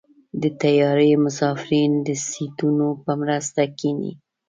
د طیارې مسافرین د سیټونو په مرسته کېني.